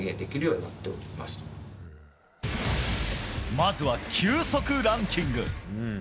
まずは球速ランキング。